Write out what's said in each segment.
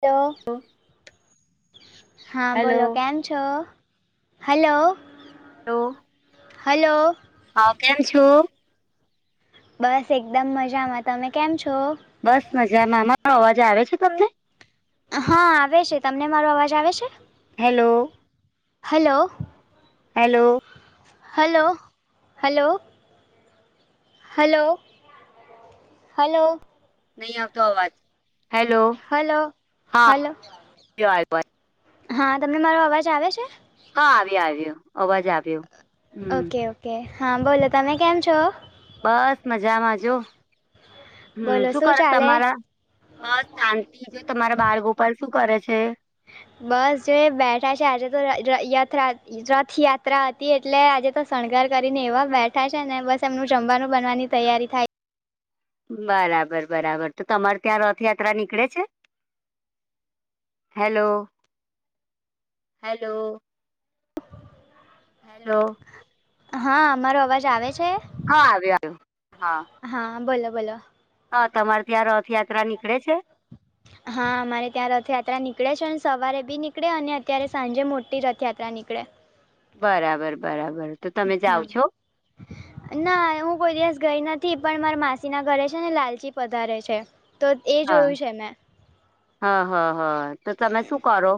Hello hello. હા બોલો કેમ છો હલો હલો. હલો. હા કેમ છો? બસ એકદમ મજામાં તમે કેમ છો? બસ મજા માં મારો અવાજ આવે છે તમને હા આવે છે તમને મારો અવાજ આવે છે. Hello. Hello. Hello. Hello hello. Hello hello. નહી આવતો અવાજ હેલો હલો હા હલો લ્યો આ બોન હા તમને મારો અવાજ આવે છે? હા આવ્યા આવ્યો અવાજ આવ્યો હમ્મ. ઓકે ઓકે હા બોલો તમે કેમ છો? બસ મજામાં જો હમ્મ બોલો શું કરે ચાલે તમારા બસ શાંતિ જો તમારા બાલગોપાલ શું કરે છે. બસ જો એ બેઠા છે આજ તો ર યાત્રા રથયાત્રા હતી એટલે આજે તો શણગાર કરીને એવા બેઠા છે ને બસ એમનું જમવાનું બનવાની તૈયારી થાય બરાબર બરાબર તો તમાર ત્યાં રથયાત્રા નીકળે છે. Hello hello. હેલો. હા મારો અવાજ આવે છે? હા આવ્યો આવ્યો હા. હા બોલો બોલો. અ તમાર ત્યાં રથયાત્રા નીકળે છે? હા અમારે ત્યાં રથયાત્રા નીકળે છેન સવારે બી નીકળે અને અત્યારે સાંજે મોટી રથયાત્રા નીકળે બરાબર બરાબર. તો તમે જાઓ હા. [inaudible] ના એ હું કોઈ દિવસ ગઈ નથી પણ મારા માસી ના ઘરે છે ને લાલચી પધારે છે. તો એ હા જોયું છે મેં હા હા હા તો તમે શું કરો?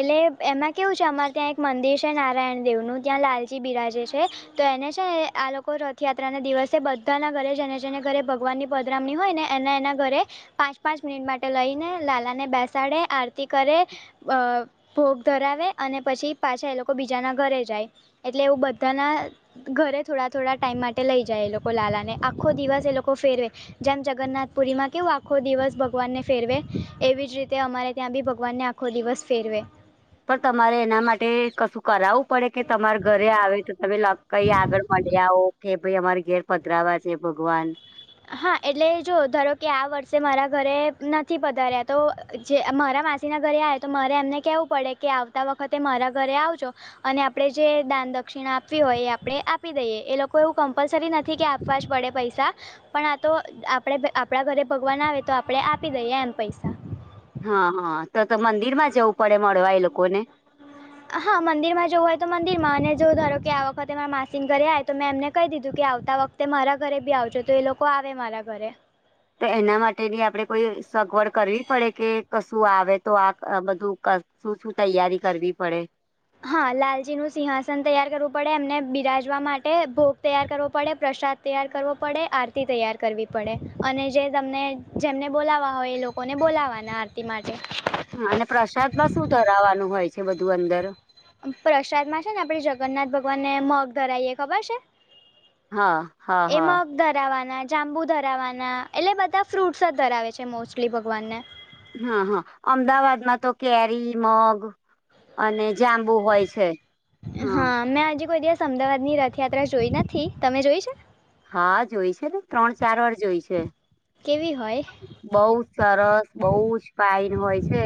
એટલે એમાં કેવું છે અમાર ત્યાં એક મંદિર છે નારાયણ દેવનું ત્યાં લાલજી બિરાજે છે. તો એને છે આ લોકો રથયાત્રાને દિવસે બધાના ઘરે જને જઈને ઘરે ભગવાનની પધરામણી હોય ને એના એના ઘરે પાંચ પાંચ મિનિટ માટે લઈને લાલા ને બેસાડે આરતી કરે અ ભોગ ધરાવે અને પછી પાછા એ લોકો બીજાના ઘરે જાય એટલે એવું બધાના ઘરે થોડા થોડા ટાઈમ માટે લઈ જાય એ લોકો લાલાને આખો દિવસ એ લોકો ફેરવે જેમ જગન્નાથ પુરી માં કેવું આખો દિવસ ભગવાનને ફેરવે એવી જ રીતે અમારે બી ભગવાનને આ ખો દિવસ ફેરવે પણ તમારે એના માટે કશું કરાવું પડે કે તમારે ઘરે આવે તો તમે લગ કઈ આગળ મલી આવો કે ભઈ અમાર ઘેર પધરાવા છે ભગવાન હા એટલે જો ધારોકે આ વર્ષે મારા ઘરે નથી પધાર્યા તો જે મારા માસીના ઘરે આયા તો મારે એમને કહેવું પડે કે આવતા વખતે મારા ઘરે આવજો અને આપડે જે દાન દક્ષિણા આપવી હોય એ આપણે આપી દઈએ એ લોકો એવું કમ્પલસરી નથી કે આપવા જ પડે પૈ પૈસા પણ આ તો આપણે આપડા ઘરે ભગવાન આવે તો આપડણે આપી દઈએ એમ પૈસા. હા હા તો તો મંદિર માં જવું પડે મળવા એ લોકોને, હા મંદિરમાં જવું હોય તો મંદિરમાં અને જો ધારોકે, આ વખતે મારા માસીન ઘરે આવે તો મેં એમને કહી દીધું કે આવતા વખ તે મારા ઘરે બી આવજો તો એ લોકો આવે મારા ઘરે. તો એના માટેની આપડે કોઈ સગવડ કરવી પડે કે કશું આવે તો આ આ બધું ક શું શું તૈયારી કરવી પડે? હા લાલજી નું સિંહાસન તૈયાર કરવું પડે, એમને બિરાજવા માટે ભોગ તૈયાર કરવો પડે પ્રસાદ. તૈયાર કરવો પડે, આરતી તૈયાર કરવી પડે અને જે તમને જેમને બોલાવવા હોય એ લો કોને બોલાવાના આરતી માટે, અને પ્રસાદમાં શું ધરાવવાનું હોય છે, બધું અંદર? પ્રસાદમાં છે, ને આપણે જગન્નાથ ભગવાનને મગ ધરાઈએ ખબર છે. હા, હા, હા. ધરાવવાના જાંબુ ધરાવવાના એટલે બધા ફ્રૂટસ જ ધરાવે છે, મોસ્ટલી ભગવાનને. હા, હા અમદાવાદમાં તો કેરી, મગ. અને જાંબુ હોય છે, હ અમેં આજ કોઈદે અમદાવાદની રથયાત્રા જોઈ નથી. તમે જોઈ છે? હા જોઈ છે, ને ત્રણ- ચાર વાર જોઈ છે. કેવી હોય? બઉ જ સરસ બઉ જ ફાઇન હોય છે.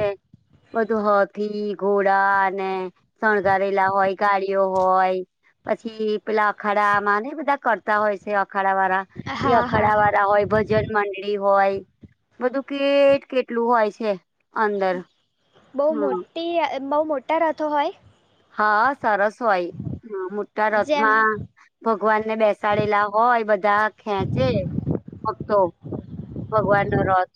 બધું હાથી, ઘોડા અને શણગારેલા હોય, ગાળીઓ હોય. પછી પેલા અખાડામાં ને બધા કરતા હોય છે, અખાડાવાળા હા ઈ હા હા અખડાવાળા હોય ભજન મંડળી હોય. બધું કેટ કેટલું હોય છે, અંદર બહુ હમ મોટી બહુ મોટા રથો હોય? હા સરસ હોય મોટા જેમ રથમાં. ભગવાનને બેસાડેલા હોય બધા ખેચે [unintelligible] ભગવાનનો રથ.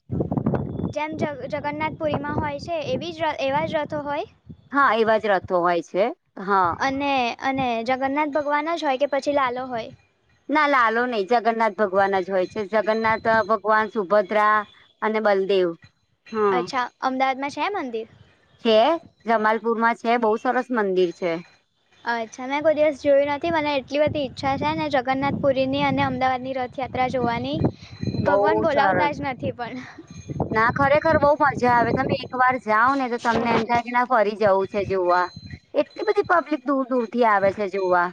જેમ જેમ જગન્નાથ પુરીમાં હોય છે, એવી જ એવા જ રથો હોય? હા એવા જ રથો હોય છે, હા અને અને જગન્નાથ ભગવાન જ હોય કે પછી લાલો હોય? ના લાલો નહી જગન્નાથ ભગવાન જ હોય છે, જગન્નાથ ભગવાન, સુભદ્રા. અને બલદેવ. હા અચ્છા અમદાવાદમાં છે, મંદિર? છે, જમાલપુરમાં છે, બહુ સરસ મંદિર છે. અચ્છા મેં કોઈ દિવસ જોયું નથી મને એટલી બધી ઈચ્છા છે, ને જગન્નાથપુરીની અને અમદાવાદની રથ યાત્રા જોવાની બહુ ભગવાન સરસ બોલાવતા જ નથી પણ, ના ખરેખર બહુ મજા આવે તમે એકવાર જાઓને તો તમને એમ થાય કેના ફરી જવું. છે જોવા એટલી બધી પબ્લિક દૂર દૂર થી આવે છે, જોવા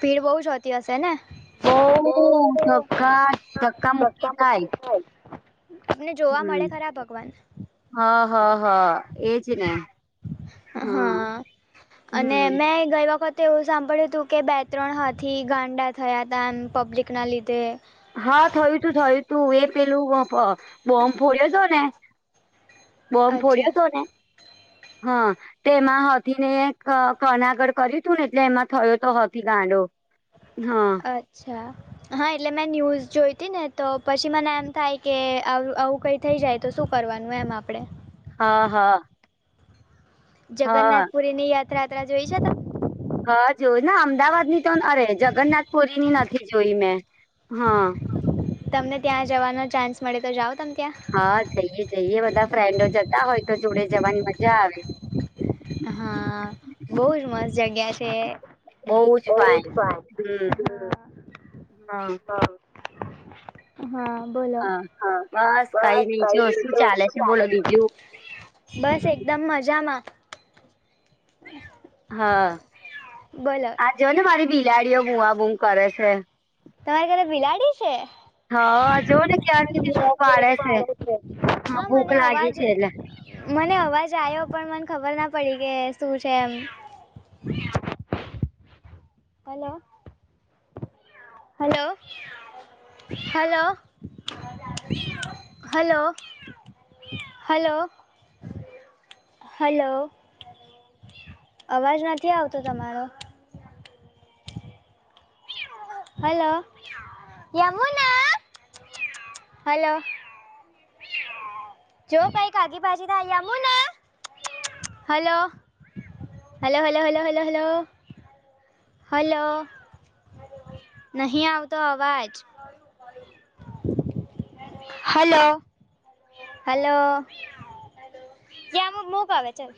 ભીડ બહુ જ હોતી હશે ને બહુ થકાય. [unintelligible] અમને જોવા મળે ખરા ભગવાન? હ, હ, હ એજને, હા અને હમ મેં ગઈ વખત. તેવું સાંભળ્યું હતું કે બે -ત્રણ હાથી ગાંડા થયા હતા, એમ પબ્લિકના લીધે હા થયું તું થયું તુ એ પેલું બોમ્બ ફોડ્યો હતો ને, બોમ્બ અચ્છા ફોડ્યો તો ને હા, તેમાં હાથી ને કન આગળ કર્યું તુંને એટલે એમાં થયો તો હથી ગાંડો, હ. [inaudible] અચ્છા, હા એટલે મેં ન્યૂઝ જોઈતી નેતો પછી એમ થાય કે આવું કંઈક, થઈ જાય તો શું કરવાનું એમ આપણે, હા, હા, હા જગન્નાથપુરીની યાત્રાના જોઈ છે, તે હા જોન અમદાવાદની તો અરે જગન્નાથપુરીની નથી જોઈ મેં હા, તમને ત્યાં જવાનો ચાન્સ મળે તો જાઓ તમ ત્યાં હા જઈએ જઈએ બધા ફ્રેન્ડો જતા હોય તો જોડે જવાની મજા આવે. હા બહુ જ મસ્ત જગ્યા છે. બઉ જ બહુ ફાઈન ફાઇન હમ હા [inaudible] હા બોલો હા કઈ બસ નઈ જો કઈની તો શું છે બોલો ચાલે બીજું બસ એકદમ મજામાં. હા બોલો આ જોઓ ને મારી બિલાડીઓ બુમા બુમ કરે છે. તમારે ઘરે બિલાડી છે? હા જોવ ને ક્યાંરની બૂમો પાડે છે હા ભૂખ મને લાગી અવાજ છે એટલે મને અવાજ આવ્યો પણ મને ખબર ના પડી કે શું છે એમ [unintelligible] hello hello hello hello hello hello અવાજ નથી આવતો તમારો હલો યમુના હલો જો કઈક આઘીપાછી થાય Yamuna hello hello hello hello hello hello નહીં આવતો અવાજ હલો હલો યાર મુ મૂક હવે ચલ